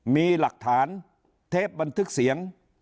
มีหลักฐานเทปบันทึกเสียง